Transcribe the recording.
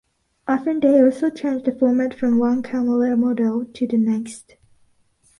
Often they also change the format from one camera model to the next.